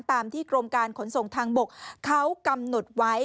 ตามที่กรมการขนส่งทางบกเขากำหนดไว้